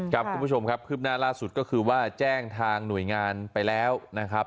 คุณผู้ชมครับคืบหน้าล่าสุดก็คือว่าแจ้งทางหน่วยงานไปแล้วนะครับ